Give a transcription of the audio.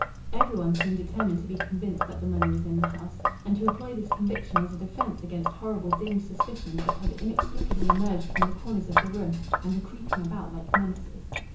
Every one seemed determined to be convinced that the money was in the house, and to employ this conviction as a defence against horrible dim suspicions that had inexplicably emerged from the corners of the room and were creeping about like menaces.